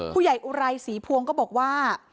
ผู้ใหญ่อุไรสีพวงก็บอกว่า